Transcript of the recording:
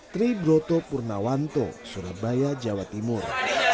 tri broto purnawanto surabaya jawa timur